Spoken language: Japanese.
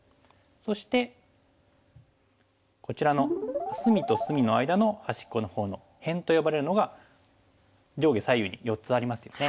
そしてこちらの隅と隅の間の端っこの方の「辺」と呼ばれるのが上下左右に４つありますよね。